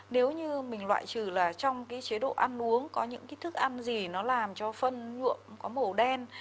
nếu như mình loại trừ là trong cái chế độ ăn uống có những cái thức ăn gì nó làm cho phân nhuộm có màu đen